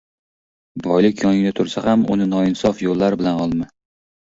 • Boylik yoningda tursa ham uni noinsof yo‘llar bilan olma.